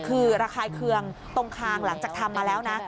คือระคายเคืองตรงคางหลังจากทำมาแล้วนะ